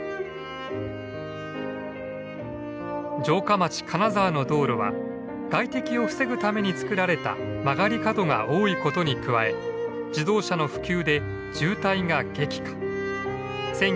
城下町金沢の道路は外敵を防ぐために作られた曲がり角が多いことに加え自動車の普及で渋滞が激化。